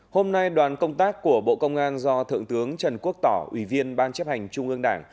hôm nay đoàn công tác của bộ công an do thượng tướng trần quốc tỏ ủy viên ban chấp hành trung ương đảng